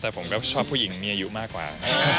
แต่ผมก็ชอบผู้หญิงมีอายุมากกว่า